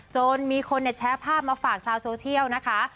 จนมีคนแชร์ภาพมาฝากชาวโซเชียลนะคะ